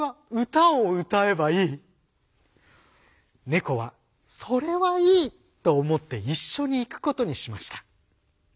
猫は「それはいい！」と思って一緒に行くことにしました。